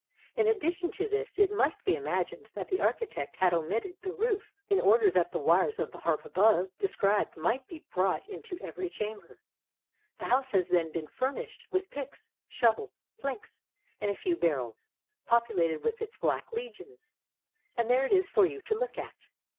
In addition to this, it must be imagined that the architect had omitted the roof in order that the wires of the harp above described might be brought into every chamber. The house has then been furnished with picks, shovels, planks, and a few barrels, populated with its black legions, and there it is for you to look at.